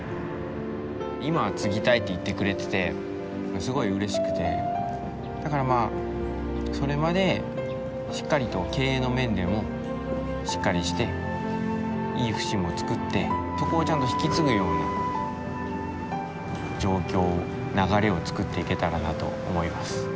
今継ぎたいって言ってくれててすごいうれしくてだからそれまでしっかりと経営の面でもしっかりしていい節も作ってそこをちゃんと引き継ぐような状況流れを作っていけたらなと思います。